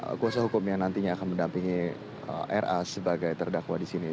jadi kosa hukumnya nantinya akan mendampingi ra sebagai terdakwa di sini